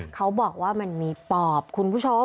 เขาบอกว่ามันมีปอบคุณผู้ชม